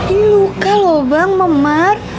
ini luka loh bang memar